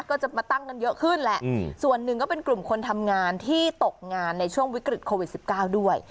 ก็จะมาตั้งกันเยอะขึ้นแหละส่วนหนึ่งก็เป็นกลุ่มคนทำงานที่ตกงานในช่วงวิกฤตโควิด๑๙ด้วย